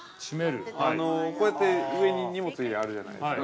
こうやって、上に荷物入れあるじゃないですか。